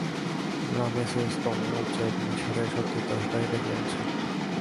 Ramesses, তোমার জেদ মিশরে এসব দুর্দশা ডেকে আনছে।